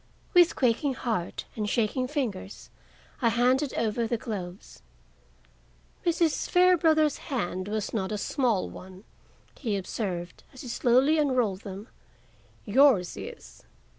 With quaking heart and shaking fingers I handed over the gloves. "Mrs. Fairbrother's hand was not a small one," he observed as he slowly unrolled them. "Yours is.